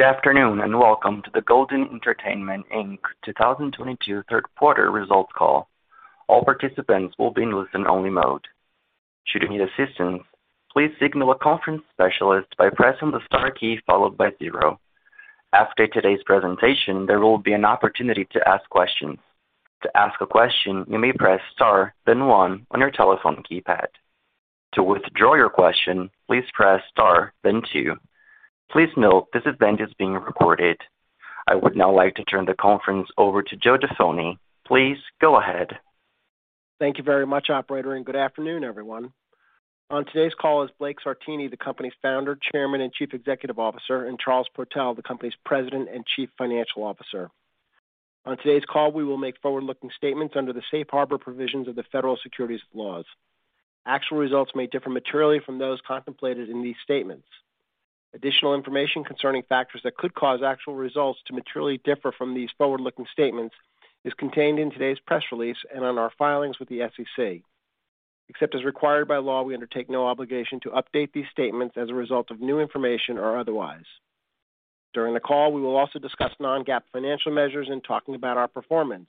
Good afternoon, and welcome to the Golden Entertainment, Inc. 2022 third quarter results call. All participants will be in listen-only mode. Should you need assistance, please signal a conference specialist by pressing the star key followed by zero. After today's presentation, there will be an opportunity to ask questions. To ask a question, you may press star, then one on your telephone keypad. To withdraw your question, please press star, then two. Please note this event is being recorded. I would now like to turn the conference over to Joe Jaffoni. Please go ahead. Thank you very much, operator, and good afternoon, everyone. On today's call is Blake Sartini, the company's Founder, Chairman, and Chief Executive Officer, and Charles Protell, the company's President and Chief Financial Officer. On today's call, we will make forward-looking statements under the safe harbor provisions of the federal securities laws. Actual results may differ materially from those contemplated in these statements. Additional information concerning factors that could cause actual results to materially differ from these forward-looking statements is contained in today's press release and on our filings with the SEC. Except as required by law, we undertake no obligation to update these statements as a result of new information or otherwise. During the call, we will also discuss non-GAAP financial measures in talking about our performance.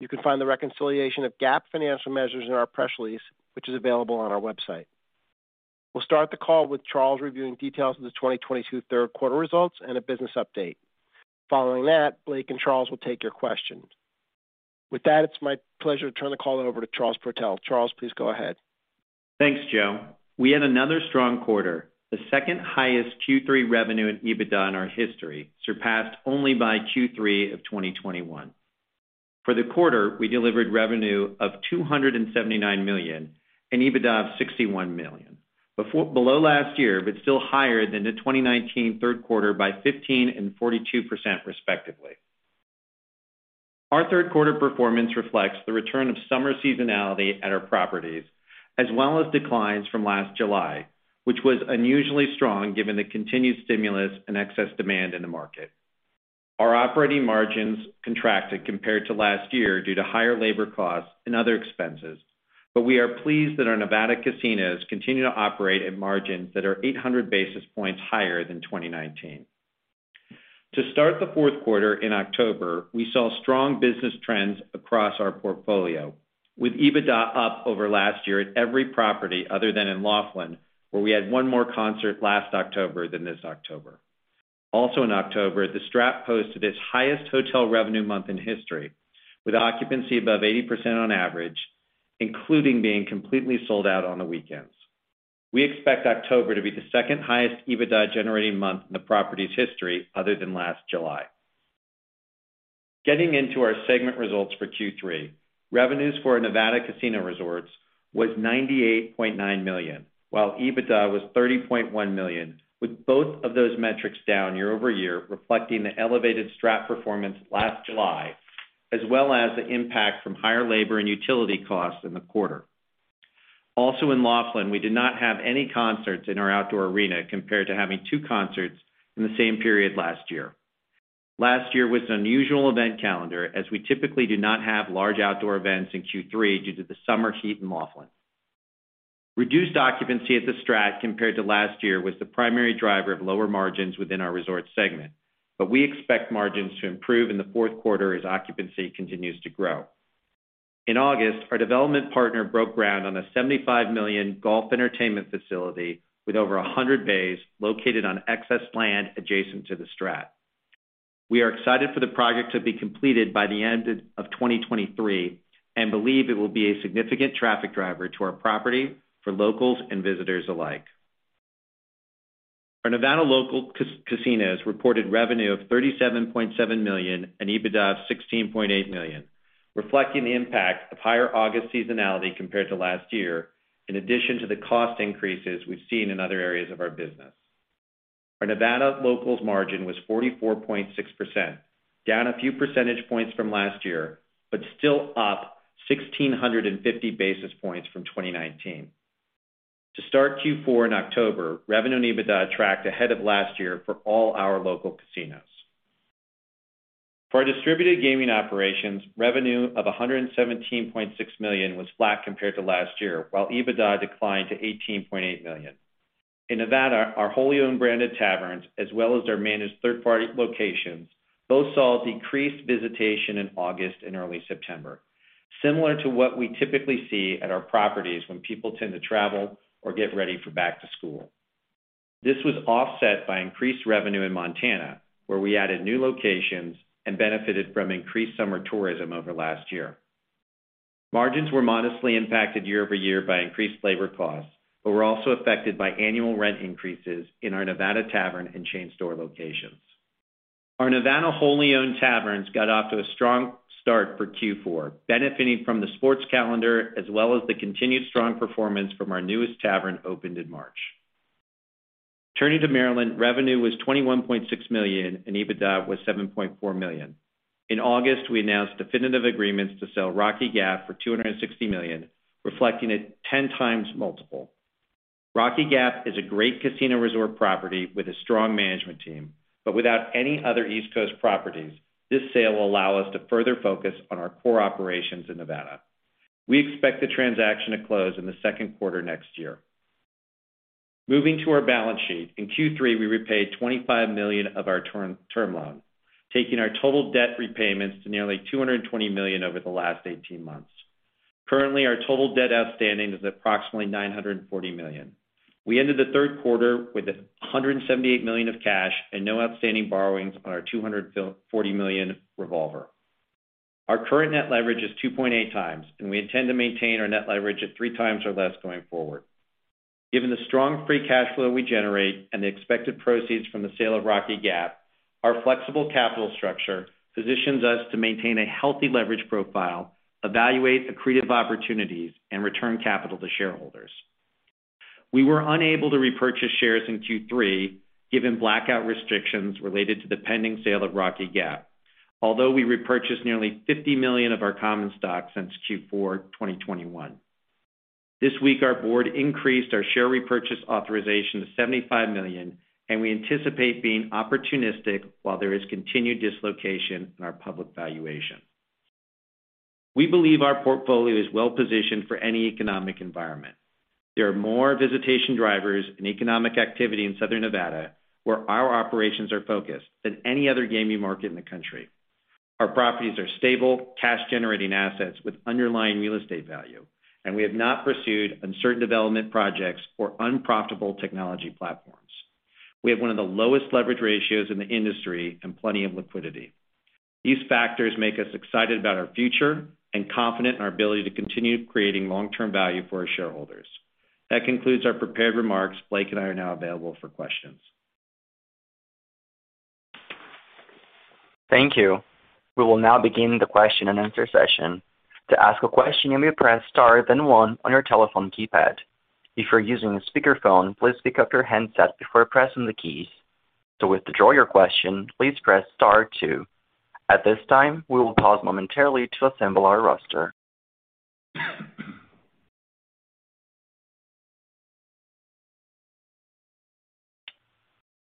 You can find the reconciliation of GAAP financial measures in our press release, which is available on our website. We'll start the call with Charles reviewing details of the 2022 third quarter results and a business update. Following that, Blake and Charles will take your questions. With that, it's my pleasure to turn the call over to Charles Protell. Charles, please go ahead. Thanks, Joe. We had another strong quarter, the second highest Q3 revenue and EBITDA in our history, surpassed only by Q3 of 2021. For the quarter, we delivered revenue of $279 million and EBITDA of $61 million, below last year, but still higher than the 2019 third quarter by 15% and 42% respectively. Our third quarter performance reflects the return of summer seasonality at our properties, as well as declines from last July, which was unusually strong given the continued stimulus and excess demand in the market. Our operating margins contracted compared to last year due to higher labor costs and other expenses, but we are pleased that our Nevada casinos continue to operate at margins that are 800 basis points higher than 2019. To start the fourth quarter in October, we saw strong business trends across our portfolio, with EBITDA up over last year at every property other than in Laughlin, where we had one more concert last October than this October. Also in October, The STRAT posted its highest hotel revenue month in history, with occupancy above 80% on average, including being completely sold out on the weekends. We expect October to be the second highest EBITDA-generating month in the property's history other than last July. Getting into our segment results for Q3, revenues for Nevada Casino Resorts was $98.9 million, while EBITDA was $30.1 million, with both of those metrics down year-over-year, reflecting the elevated STRAT performance last July, as well as the impact from higher labor and utility costs in the quarter. Also in Laughlin, we did not have any concerts in our outdoor arena compared to having two concerts in the same period last year. Last year was an unusual event calendar as we typically do not have large outdoor events in Q3 due to the summer heat in Laughlin. Reduced occupancy at The STRAT compared to last year was the primary driver of lower margins within our resort segment, but we expect margins to improve in the fourth quarter as occupancy continues to grow. In August, our development partner broke ground on a $75 million golf entertainment facility with over 100 bays located on excess land adjacent to The STRAT. We are excited for the project to be completed by the end of 2023 and believe it will be a significant traffic driver to our property for locals and visitors alike. Our Nevada local casinos reported revenue of $37.7 million and EBITDA of $16.8 million, reflecting the impact of higher August seasonality compared to last year, in addition to the cost increases we've seen in other areas of our business. Our Nevada locals margin was 44.6%, down a few percentage points from last year, but still up 1,650 basis points from 2019. To start Q4 in October, revenue and EBITDA tracked ahead of last year for all our local casinos. For our distributed gaming operations, revenue of $117.6 million was flat compared to last year, while EBITDA declined to $18.8 million. In Nevada, our wholly owned branded taverns, as well as our managed third-party locations, both saw decreased visitation in August and early September, similar to what we typically see at our properties when people tend to travel or get ready for back to school. This was offset by increased revenue in Montana, where we added new locations and benefited from increased summer tourism over last year. Margins were modestly impacted year over year by increased labor costs, but were also affected by annual rent increases in our Nevada tavern and chain store locations. Our Nevada wholly owned taverns got off to a strong start for Q4, benefiting from the sports calendar as well as the continued strong performance from our newest tavern opened in March. Turning to Maryland, revenue was $21.6 million and EBITDA was $7.4 million. In August, we announced definitive agreements to sell Rocky Gap for $260 million, reflecting a 10x multiple. Rocky Gap is a great casino resort property with a strong management team, but without any other East Coast properties, this sale will allow us to further focus on our core operations in Nevada. We expect the transaction to close in the second quarter next year. Moving to our balance sheet. In Q3, we repaid $25 million of our term loan, taking our total debt repayments to nearly $220 million over the last 18 months. Currently, our total debt outstanding is approximately $940 million. We ended the third quarter with $178 million of cash and no outstanding borrowings on our $240 million revolver. Our current net leverage is 2.8x, and we intend to maintain our net leverage at 3x or less going forward. Given the strong free cash flow we generate and the expected proceeds from the sale of Rocky Gap, our flexible capital structure positions us to maintain a healthy leverage profile, evaluate accretive opportunities, and return capital to shareholders. We were unable to repurchase shares in Q3 given blackout restrictions related to the pending sale of Rocky Gap. Although we repurchased nearly $50 million of our common stock since Q4 2021. This week, our board increased our share repurchase authorization to $75 million, and we anticipate being opportunistic while there is continued dislocation in our public valuation. We believe our portfolio is well-positioned for any economic environment. There are more visitation drivers and economic activity in Southern Nevada, where our operations are focused, than any other gaming market in the country. Our properties are stable, cash-generating assets with underlying real estate value, and we have not pursued uncertain development projects or unprofitable technology platforms. We have one of the lowest leverage ratios in the industry and plenty of liquidity. These factors make us excited about our future and confident in our ability to continue creating long-term value for our shareholders. That concludes our prepared remarks. Blake and I are now available for questions. Thank you. We will now begin the question and answer session. To ask a question, you may press star, then one on your telephone keypad. If you're using a speakerphone, please pick up your handset before pressing the keys. To withdraw your question, please press star two. At this time, we will pause momentarily to assemble our roster.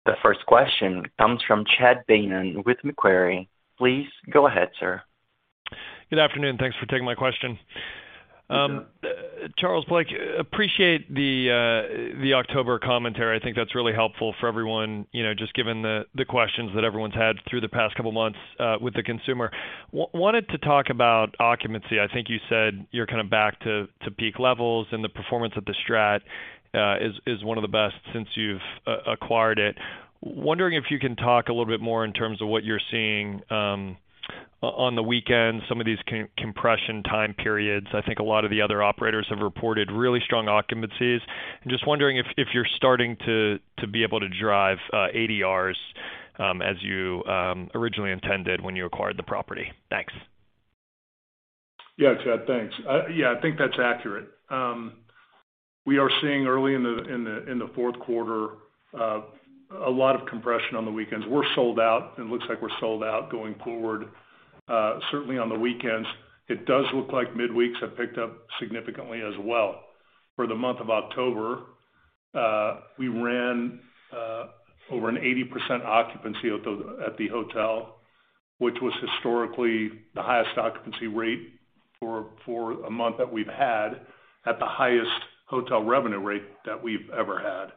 The first question comes from Chad Beynon with Macquarie. Please go ahead, sir. Good afternoon. Thanks for taking my question. Charles, Blake, appreciate the October commentary. I think that's really helpful for everyone, you know, just given the questions that everyone's had through the past couple of months with the consumer. Wanted to talk about occupancy. I think you said you're kind of back to peak levels and the performance of The STRAT is one of the best since you've acquired it. Wondering if you can talk a little bit more in terms of what you're seeing on the weekends, some of these compression time periods. I think a lot of the other operators have reported really strong occupancies. I'm just wondering if you're starting to be able to drive ADRs as you originally intended when you acquired the property. Thanks. Yeah, Chad, thanks. Yeah, I think that's accurate. We are seeing early in the fourth quarter a lot of compression on the weekends. We're sold out, and it looks like we're sold out going forward, certainly on the weekends. It does look like midweeks have picked up significantly as well. For the month of October, we ran over an 80% occupancy at the hotel, which was historically the highest occupancy rate for a month that we've had at the highest hotel revenue rate that we've ever had.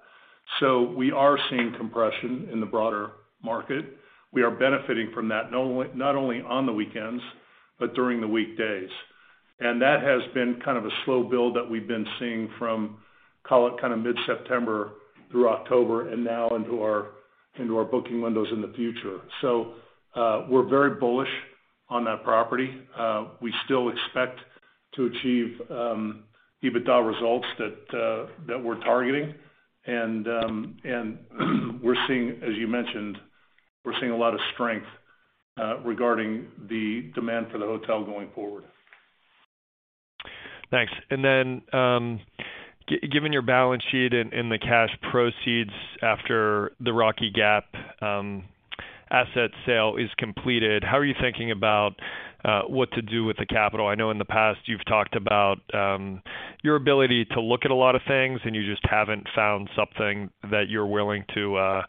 We are seeing compression in the broader market. We are benefiting from that not only on the weekends, but during the weekdays. That has been kind of a slow build that we've been seeing from, call it kind of mid-September through October and now into our booking windows in the future. We're very bullish on that property. We still expect to achieve EBITDA results that we're targeting. We're seeing, as you mentioned, a lot of strength regarding the demand for the hotel going forward. Thanks. Given your balance sheet and the cash proceeds after the Rocky Gap asset sale is completed, how are you thinking about what to do with the capital? I know in the past you've talked about your ability to look at a lot of things, and you just haven't found something that you're willing to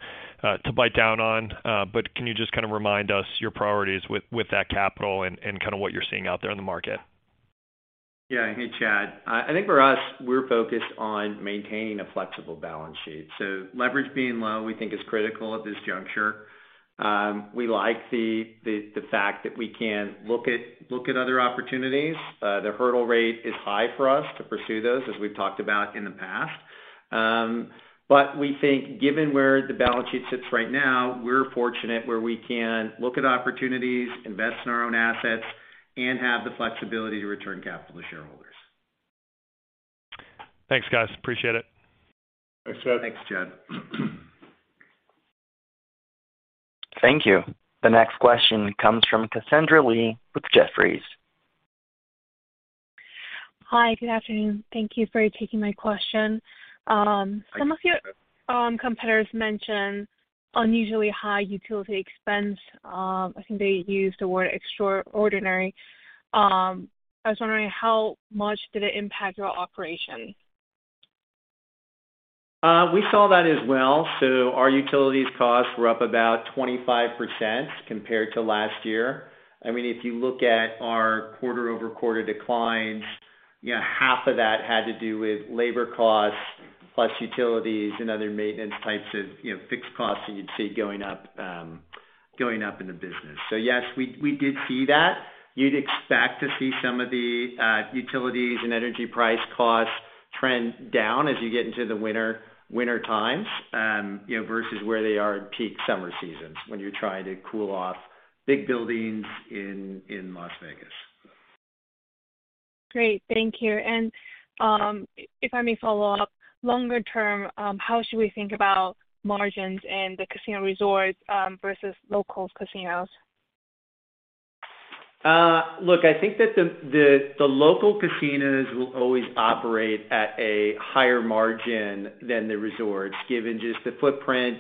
bite down on. Can you just kind of remind us your priorities with that capital and kind of what you're seeing out there in the market? Yeah. Hey, Chad. I think for us, we're focused on maintaining a flexible balance sheet. Leverage being low, we think is critical at this juncture. We like the fact that we can look at other opportunities. The hurdle rate is high for us to pursue those, as we've talked about in the past. We think given where the balance sheet sits right now, we're fortunate where we can look at opportunities, invest in our own assets, and have the flexibility to return capital to shareholders. Thanks, guys. Appreciate it. Thanks, Chad. Thanks, Chad. Thank you. The next question comes from Cassandra Lee with Jefferies. Hi, good afternoon. Thank you for taking my question. Some of your competitors mentioned unusually high utility expense. I think they used the word extraordinary. I was wondering how much did it impact your operation? We saw that as well. Our utilities costs were up about 25% compared to last year. I mean, if you look at our quarter-over-quarter declines, you know, half of that had to do with labor costs plus utilities and other maintenance types of, you know, fixed costs that you'd see going up in the business. Yes, we did see that. You'd expect to see some of the utilities and energy price costs trend down as you get into the winter times, you know, versus where they are in peak summer seasons when you're trying to cool off big buildings in Las Vegas. Great. Thank you. If I may follow up. Longer term, how should we think about margins in the casino resorts, versus local casinos? Look, I think that the local casinos will always operate at a higher margin than the resorts, given just the footprint,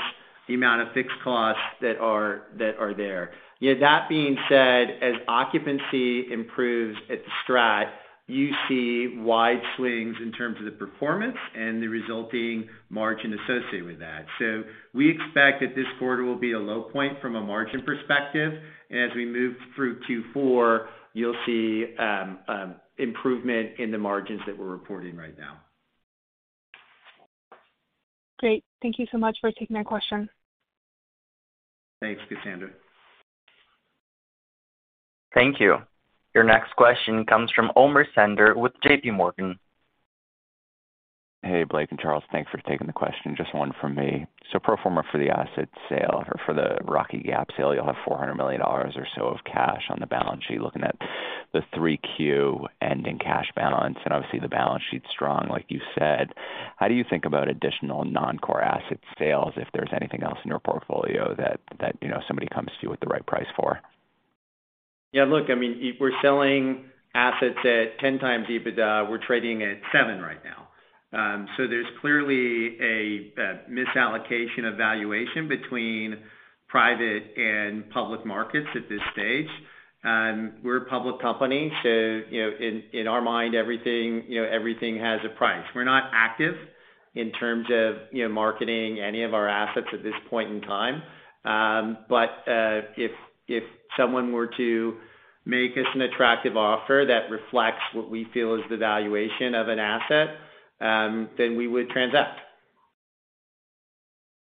the amount of fixed costs that are there. You know, that being said, as occupancy improves at The STRAT, you see wide swings in terms of the performance and the resulting margin associated with that. So we expect that this quarter will be a low point from a margin perspective. As we move through Q4, you'll see improvement in the margins that we're reporting right now. Great. Thank you so much for taking my question. Thanks, Cassandra. Thank you. Your next question comes from Omer Sander with JPMorgan. Hey, Blake and Charles, thanks for taking the question. Just one from me. So pro forma for the asset sale or for the Rocky Gap sale, you'll have $400 million or so of cash on the balance sheet looking at the 3Q ending cash balance. Obviously, the balance sheet's strong like you said. How do you think about additional non-core asset sales if there's anything else in your portfolio that, you know, somebody comes to you with the right price for? Yeah, look, I mean, if we're selling assets at 10x EBITDA, we're trading at 7 right now. There's clearly a misallocation of valuation between private and public markets at this stage. We're a public company, you know, in our mind, everything, you know, everything has a price. We're not active in terms of, you know, marketing any of our assets at this point in time. If someone were to make us an attractive offer that reflects what we feel is the valuation of an asset, then we would transact.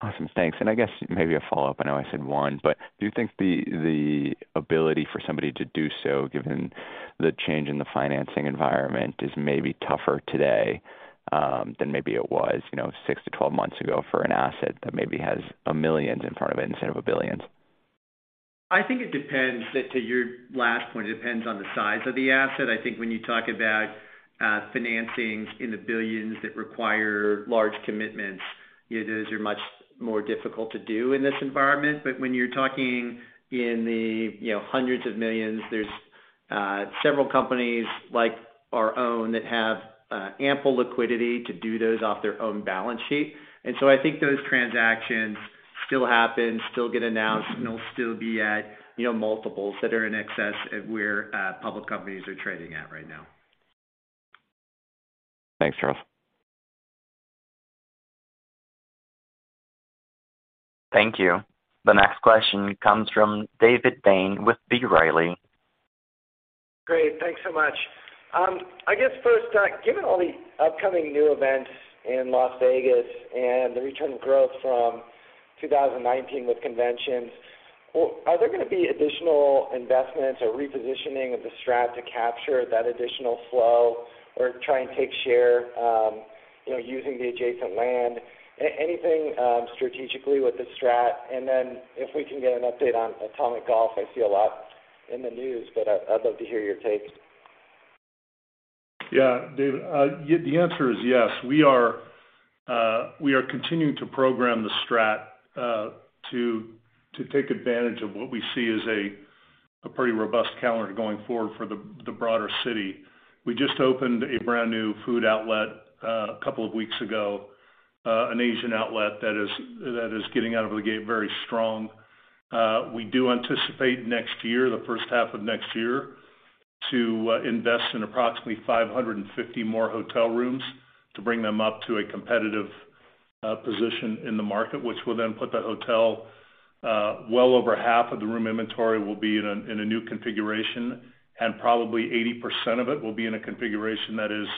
Awesome. Thanks. I guess maybe a follow-up. I know I said one, but do you think the ability for somebody to do so, given the change in the financing environment, is maybe tougher today than maybe it was, you know, 6-12 months ago for an asset that maybe has millions in front of it instead of billions? I think it depends. To your last point, it depends on the size of the asset. I think when you talk about financings in the billions that require large commitments, you know, those are much more difficult to do in this environment. But when you're talking in the hundreds of millions, there's several companies like our own that have ample liquidity to do those off their own balance sheet. I think those transactions still happen, still get announced, and will still be at, you know, multiples that are in excess of where public companies are trading at right now. Thanks, Charles. Thank you. The next question comes from David Bain with B. Riley. Great. Thanks so much. I guess first, given all the upcoming new events in Las Vegas and the return of growth from 2019 with conventions, are there gonna be additional investments or repositioning of The STRAT to capture that additional flow or try and take share, you know, using the adjacent land? Anything strategically with The STRAT? If we can get an update on Atomic Golf. I see a lot in the news, but I'd love to hear your take. Yeah, David, the answer is yes. We are continuing to program The STRAT to take advantage of what we see as a pretty robust calendar going forward for the broader city. We just opened a brand new food outlet a couple of weeks ago, an Asian outlet that is getting out of the gate very strong. We do anticipate next year, the first half of next year, to invest in approximately 550 more hotel rooms to bring them up to a competitive position in the market, which will then put the hotel well over half of the room inventory will be in a new configuration, and probably 80% of it will be in a configuration that is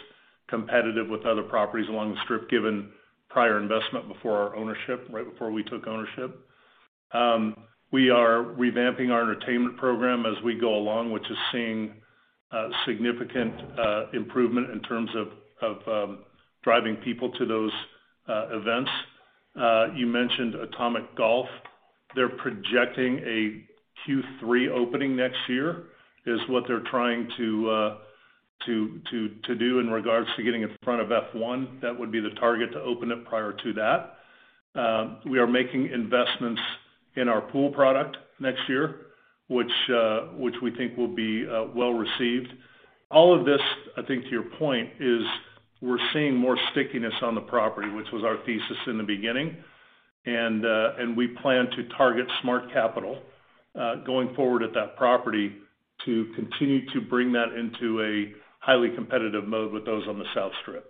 competitive with other properties along the Strip, given prior investment before our ownership, right before we took ownership. We are revamping our entertainment program as we go along, which is seeing significant improvement in terms of driving people to those events. You mentioned Atomic Golf. They're projecting a Q3 opening next year, is what they're trying to do in regards to getting in front of F1. That would be the target to open up prior to that. We are making investments in our pool product next year, which we think will be well received. All of this, I think, to your point, is we're seeing more stickiness on the property, which was our thesis in the beginning. We plan to target smart capital going forward at that property to continue to bring that into a highly competitive mode with those on the South Strip.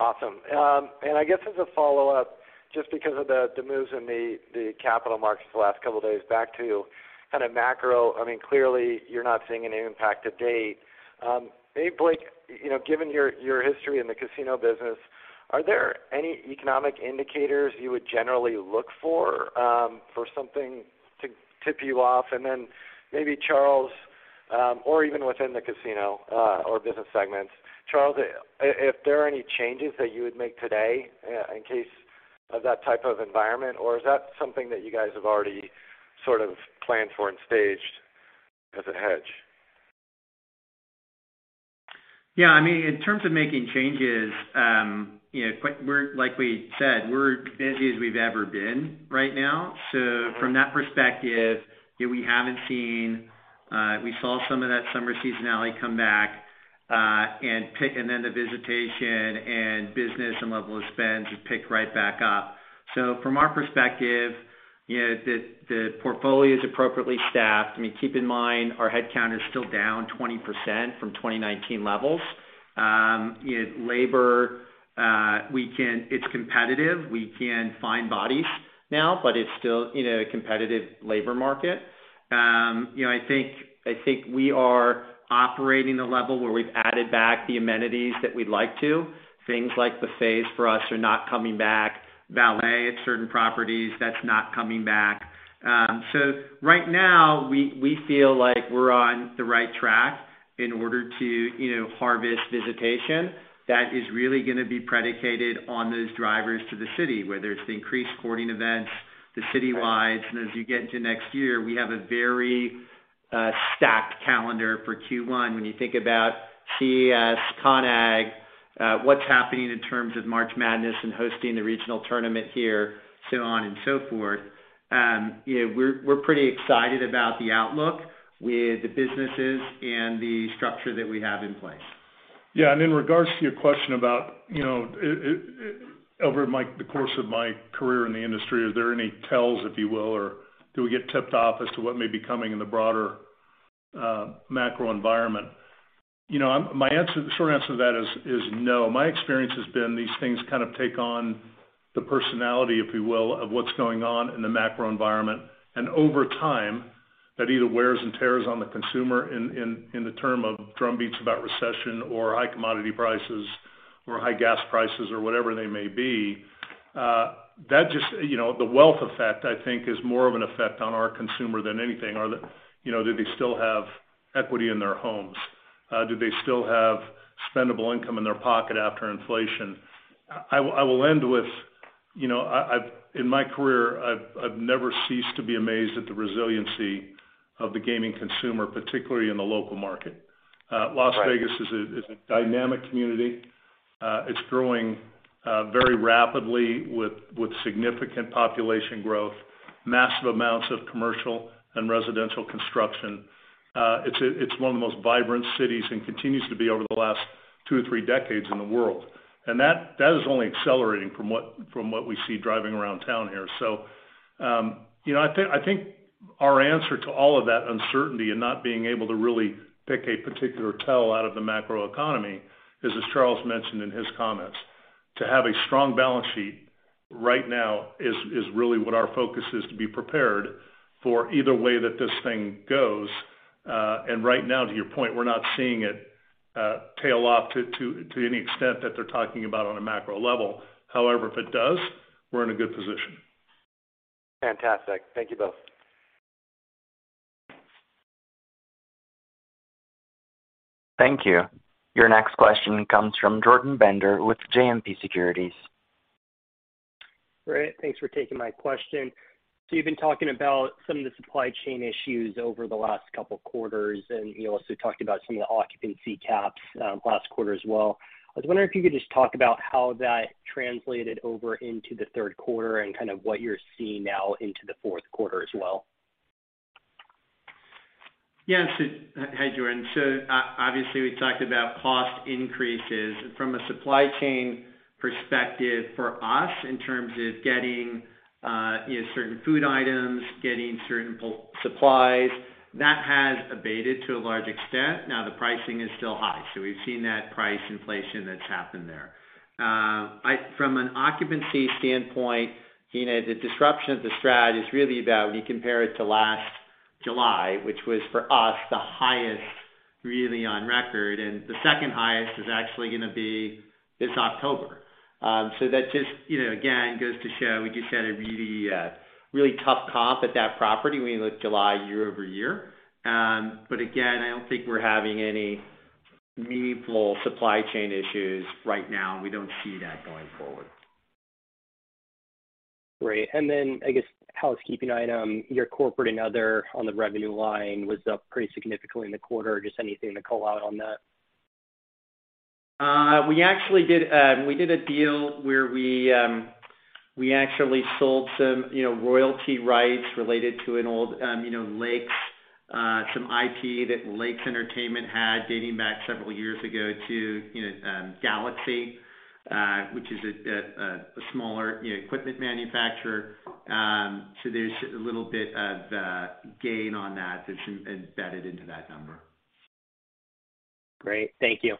Awesome. I guess as a follow-up, just because of the moves in the capital markets the last couple of days back to kind of macro, I mean, clearly, you're not seeing any impact to date. Maybe Blake, you know, given your history in the casino business, are there any economic indicators you would generally look for something to tip you off? Then maybe Charles, or even within the casino or business segments. Charles, if there are any changes that you would make today in case of that type of environment, or is that something that you guys have already sort of planned for and staged as a hedge? Yeah. I mean, in terms of making changes, you know, like we said, we're busy as we've ever been right now. From that perspective, you know, we saw some of that summer seasonality come back, and then the visitation and business and level of spends just pick right back up. From our perspective, you know, the portfolio is appropriately staffed. I mean, keep in mind, our headcount is still down 20% from 2019 levels. You know, labor, it's competitive. We can find bodies now, but it's still in a competitive labor market. You know, I think we are operating at the level where we've added back the amenities that we'd like to. Things like buffets for us are not coming back. Valet at certain properties, that's not coming back. Right now, we feel like we're on the right track in order to, you know, harvest visitation that is really gonna be predicated on those drivers to the city, whether it's the increased sporting events, the city wides. As you get into next year, we have a very stacked calendar for Q1. When you think about CES, CONEXPO-CON/AGG, what's happening in terms of March Madness and hosting the regional tournament here, so on and so forth. You know, we're pretty excited about the outlook with the businesses and the structure that we have in place. In regards to your question about, you know, the course of my career in the industry, is there any tells, if you will, or do we get tipped off as to what may be coming in the broader macro environment? You know, my answer, the short answer to that is no. My experience has been these things kind of take on the personality, if you will, of what's going on in the macro environment. Over time, that either wear and tear on the consumer in terms of drum beats about recession or high commodity prices or high gas prices or whatever they may be. That just, you know, the wealth effect, I think, is more of an effect on our consumer than anything. Are they, you know, do they still have equity in their homes? Do they still have spendable income in their pocket after inflation? I will end with, you know, in my career, I've never ceased to be amazed at the resiliency of the gaming consumer, particularly in the local market. Las Vegas is a dynamic community. It's growing very rapidly with significant population growth, massive amounts of commercial and residential construction. It's one of the most vibrant cities and continues to be over the last 2 or 3 decades in the world. That is only accelerating from what we see driving around town here. You know, I think our answer to all of that uncertainty and not being able to really pick a particular tell out of the macro economy is, as Charles mentioned in his comments, to have a strong balance sheet right now is really what our focus is to be prepared for either way that this thing goes. Right now, to your point, we're not seeing it tail off to any extent that they're talking about on a macro level. However, if it does, we're in a good position. Fantastic. Thank you both. Thank you. Your next question comes from Jordan Bender with JMP Securities. Great. Thanks for taking my question. You've been talking about some of the supply chain issues over the last couple of quarters, and you also talked about some of the occupancy caps last quarter as well. I was wondering if you could just talk about how that translated over into the third quarter and kind of what you're seeing now into the fourth quarter as well. Yeah. Hi, Jordan. Obviously, we talked about cost increases from a supply chain perspective for us in terms of getting, you know, certain food items, getting certain supplies. That has abated to a large extent. Now, the pricing is still high, so we've seen that price inflation that's happened there. From an occupancy standpoint, you know, the disruption of The STRAT is really about when you compare it to last July, which was for us, the highest really on record, and the second highest is actually gonna be this October. That just, you know, again, goes to show we just had a really tough comp at that property when you look July year-over-year. Again, I don't think we're having any meaningful supply chain issues right now. We don't see that going forward. Great. I guess, housekeeping item, your corporate and other on the revenue line was up pretty significantly in the quarter. Just anything to call out on that? We actually did a deal where we actually sold some, you know, royalty rights related to an old, you know, Lakes, some IP that Lakes Entertainment had dating back several years ago to, you know, Galaxy Gaming, which is a smaller, you know, equipment manufacturer. There's a little bit of gain on that that's embedded into that number. Great. Thank you.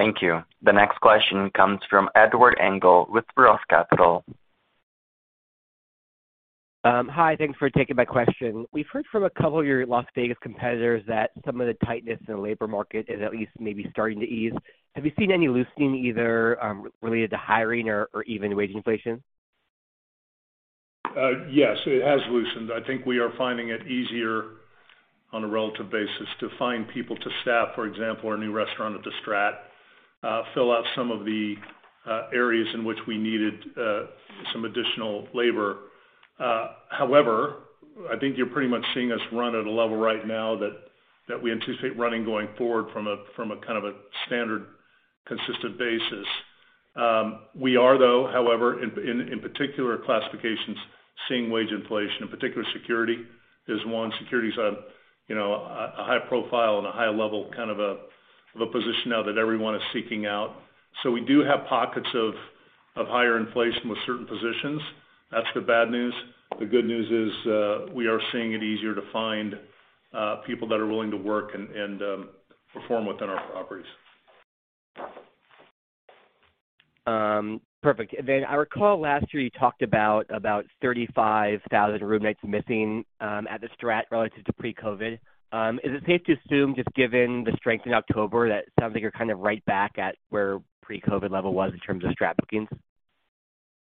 Thank you. The next question comes from Edward Engel with Roth Capital. Hi, thanks for taking my question. We've heard from a couple of your Las Vegas competitors that some of the tightness in the labor market is at least maybe starting to ease. Have you seen any loosening, either related to hiring or even wage inflation? Yes, it has loosened. I think we are finding it easier on a relative basis to find people to staff, for example, our new restaurant at The STRAT, fill out some of the areas in which we needed some additional labor. However, I think you're pretty much seeing us run at a level right now that we anticipate running going forward from a kind of a standard consistent basis. We are though, however, in particular classifications, seeing wage inflation, in particular security is one. Security's you know, a high profile and a high level kind of a position now that everyone is seeking out. We do have pockets of higher inflation with certain positions. That's the bad news. The good news is, we are seeing it's easier to find people that are willing to work and perform within our properties. Perfect. I recall last year you talked about 35,000 room nights missing at The STRAT relative to pre-COVID. Is it safe to assume, just given the strength in October, that sounds like you're kind of right back at where pre-COVID level was in terms of STRAT bookings?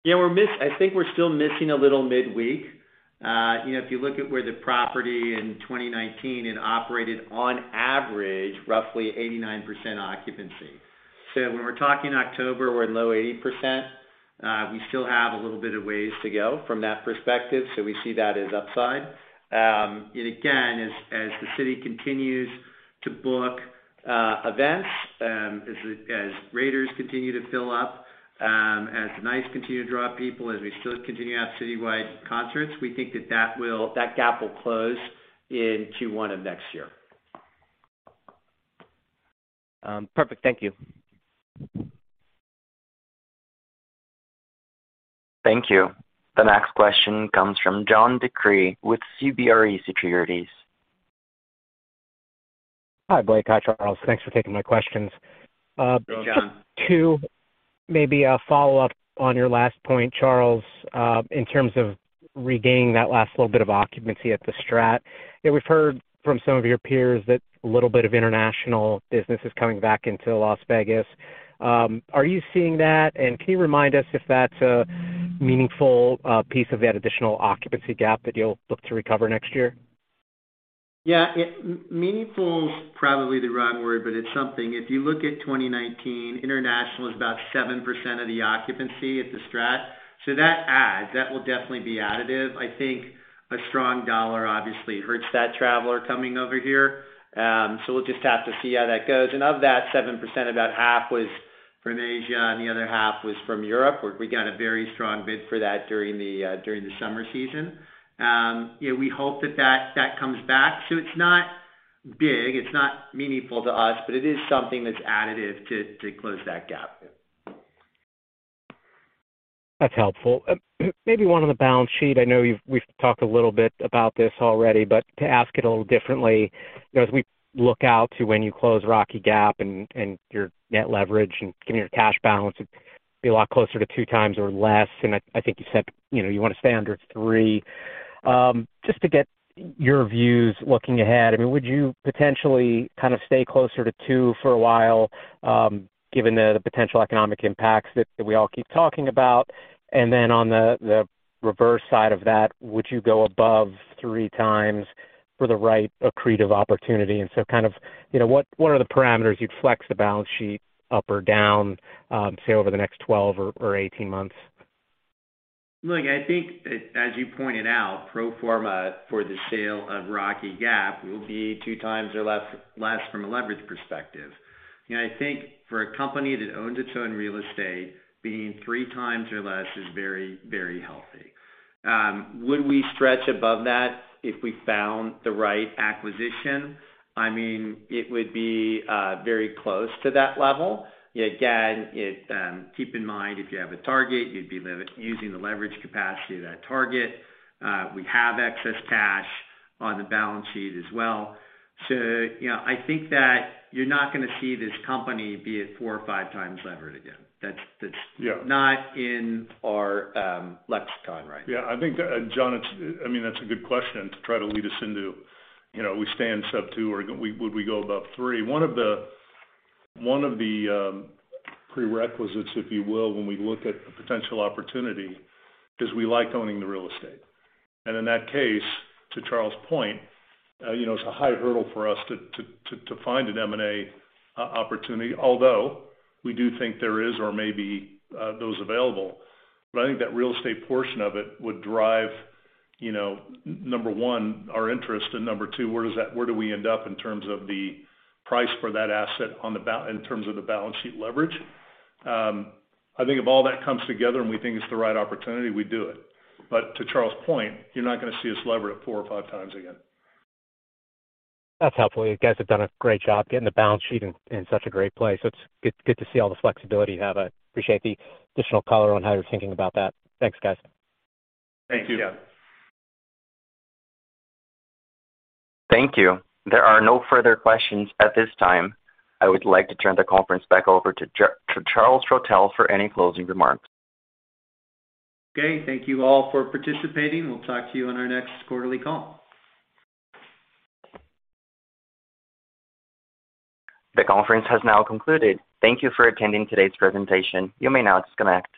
I think we're still missing a little midweek. You know, if you look at where the property in 2019, it operated on average, roughly 89% occupancy. When we're talking October, we're in low 80%. We still have a little bit of ways to go from that perspective, so we see that as upside. Again, as the city continues to book events, as Raiders continue to fill up, as the Knights continue to draw people, as we still continue to have citywide concerts, we think that gap will close in Q1 of next year. Perfect. Thank you. Thank you. The next question comes from John DeCree with CBRE Securities. Hi, Blake. Hi, Charles. Thanks for taking my questions. Hello, John. Just to maybe follow up on your last point, Charles, in terms of regaining that last little bit of occupancy at The STRAT. You know, we've heard from some of your peers that a little bit of international business is coming back into Las Vegas. Are you seeing that? Can you remind us if that's a meaningful piece of that additional occupancy gap that you'll look to recover next year? Yeah, meaningful is probably the wrong word, but it's something. If you look at 2019, international is about 7% of the occupancy at The STRAT. That adds. That will definitely be additive. I think a strong dollar obviously hurts that traveler coming over here. We'll just have to see how that goes. Of that 7%, about half was from Asia, and the other half was from Europe, where we got a very strong bid for that during the summer season. You know, we hope that comes back. It's not big, it's not meaningful to us, but it is something that's additive to close that gap. That's helpful. Maybe one on the balance sheet. I know we've talked a little bit about this already, but to ask it a little differently, you know, as we look out to when you close Rocky Gap and your net leverage and given your cash balance, it'd be a lot closer to 2x or less. I think you said, you know, you wanna stay under 3x. Just to get your views looking ahead, I mean, would you potentially kind of stay closer to 2x for a while, given the potential economic impacts that we all keep talking about? Then on the reverse side of that, would you go above 3x for the right accretive opportunity? Kind of, you know, what are the parameters you'd flex the balance sheet up or down, say over the next 12 or 18 months? Look, I think as you pointed out, pro forma for the sale of Rocky Gap will be 2x or less from a leverage perspective. You know, I think for a company that owns its own real estate, being 3x or less is very, very healthy. Would we stretch above that if we found the right acquisition? I mean, it would be very close to that level. Again, keep in mind, if you have a target, you'd be using the leverage capacity of that target. We have excess cash on the balance sheet as well. You know, I think that you're not gonna see this company be at 4x or 5x levered again. Yeah. Not in our lexicon right now. Yeah, I think that, John, it's, I mean, that's a good question to try to lead us into, you know, we stay in sub 2x or go above 3x. One of the prerequisites, if you will, when we look at the potential opportunity, is we like owning the real estate. In that case, to Charles' point, you know, it's a high hurdle for us to find an M&A opportunity, although we do think there is or may be those available. I think that real estate portion of it would drive, you know, number one, our interest, and number two, where do we end up in terms of the price for that asset on the balance sheet in terms of the balance sheet leverage? I think if all that comes together and we think it's the right opportunity, we do it. To Charles Protell's point, you're not gonna see us leverage it 4x or 5x again. That's helpful. You guys have done a great job getting the balance sheet in such a great place. It's good to see all the flexibility you have. I appreciate the additional color on how you're thinking about that. Thanks, guys. Thank you. Yeah. Thank you. There are no further questions at this time. I would like to turn the conference back over to Charles Protell for any closing remarks. Okay, thank you all for participating. We'll talk to you on our next quarterly call. The conference has now concluded. Thank you for attending today's presentation. You may now disconnect.